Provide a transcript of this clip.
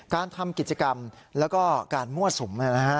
การทำกิจกรรมและการมั่วสุม